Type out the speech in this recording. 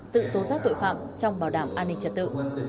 tự tố giác tội phạm trong bảo đảm an ninh trật tự